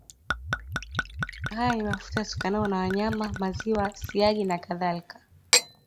Haya ni mafuta yatokanayo na wanyama maziwa siagi ya wanyama nakadhalika